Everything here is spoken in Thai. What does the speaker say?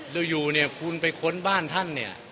อยู่เนี่ยคุณไปค้นบ้านท่านเนี่ย